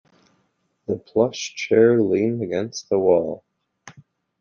The plush chair leaned against the wall.